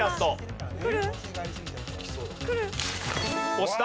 押した！